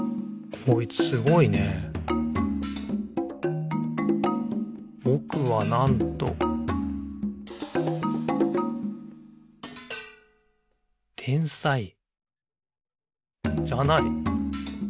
こいつすごいね「ぼくは、なんと」天才じゃない。え？